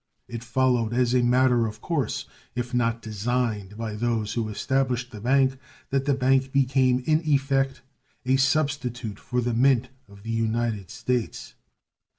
It followed as a matter of course, if not designed by those who established the bank, that the bank became in effect a substitute for the Mint of the United States.